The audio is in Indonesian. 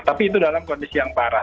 tapi itu dalam kondisi yang parah